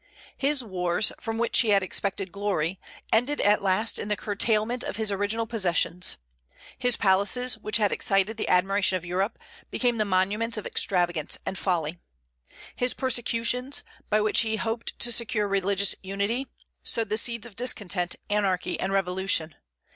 His wars, from which he had expected glory, ended at last in the curtailment of his original possessions. His palaces, which had excited the admiration of Europe, became the monuments of extravagance and folly. His persecutions, by which he hoped to secure religious unity, sowed the seeds of discontent, anarchy, and revolution.